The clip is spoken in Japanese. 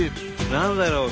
何だろう？